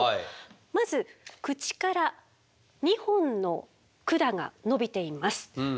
まず口から２本の管が伸びています。